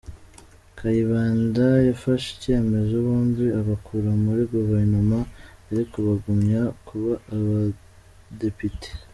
Kayibanda yafashe icyemezo, bombi abakura muri Gouvernement, ariko bagumya kuba abadepite.